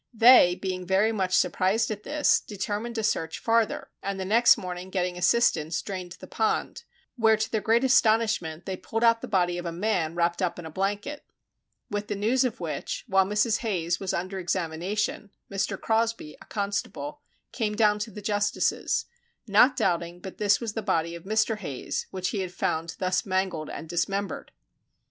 They, being very much surprised at this, determined to search farther, and the next morning getting assistance drained the pond, where to their great astonishment they pulled out the body of a man wrapped up in a blanket; with the news of which, while Mrs. Hayes was under examination, Mr. Crosby, a constable, came down to the justices, not doubting but this was the body of Mr. Hayes which he had found thus mangled and dismembered.